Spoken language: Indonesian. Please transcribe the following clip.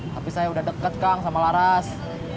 tapi saya udah deket kang sama laras